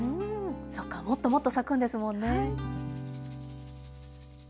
そっか、もっともっと咲くんですもんね。